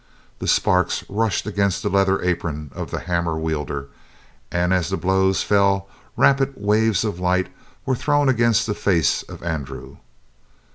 The sparks rushed against the leather apron of the hammer wielder, and as the blows fell rapid waves of light were thrown against the face of Andrew.